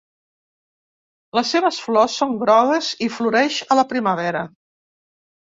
Les seves flors són grogues i floreix a la primavera.